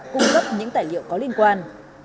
cung cấp những tài liệu có liên quan